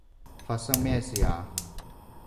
發生咩事啊？